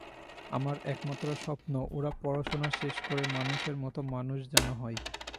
আমার একমাত্র স্বপ্ন ওরা পড়াশোনা শেষ করে মানুষের মতো মানুষ যেন হয়।